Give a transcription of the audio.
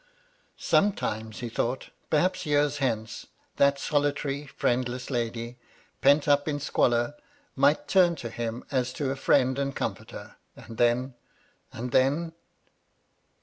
Sometimes he thought — ^perhaps years hence — that solitary, friendless lady, pent up in squalor, might turn to him as to a friend and comforter — and then — and then